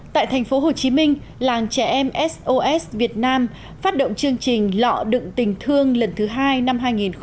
tại thành phố hồ chí minh làng trẻ em sos việt nam phát động chương trình lọ đựng tình thương lần thứ hai năm hai nghìn hai mươi